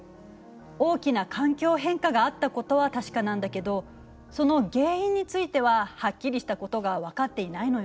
大きな環境変化があったことは確かなんだけどその原因についてははっきりしたことが分かっていないのよね。